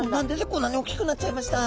こんなに「おっきくなっちゃいました」って。